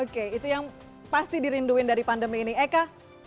oke itu yang pasti dirinduin dari pandemi ini eka